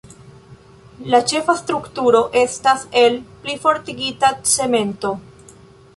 La ĉefa strukturo estas el plifortigita cemento.